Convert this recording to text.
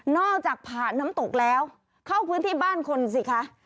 จากผ่านน้ำตกแล้วเข้าพื้นที่บ้านคนสิคะ